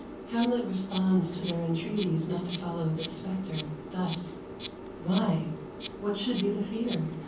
Hamlet responds to their entreaties not to follow the spectre thus "Why, what should be the fear?